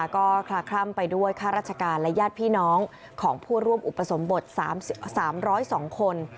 ก็คลาคล่ำไปด้วยข้าราชการและญาติพี่น้องของผู้ร่วมอุปสมบท๓๐๒คน